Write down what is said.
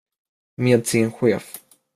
Med sin chef.